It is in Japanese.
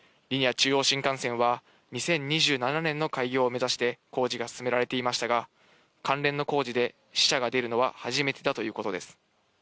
中央新幹線は２０２７年の開業を目指して工事が進められていましたが、関連の工事で死者が出るのは初めてだということです。